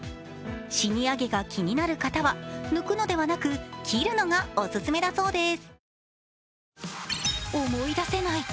シニア毛が気になる方は抜くのではなく切るのがオススメだそうです。